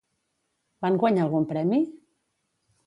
Van guanyar algun premi?